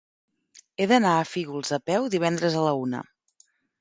He d'anar a Fígols a peu divendres a la una.